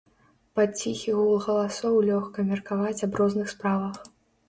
Пад ціхі гул галасоў лёгка меркаваць аб розных справах.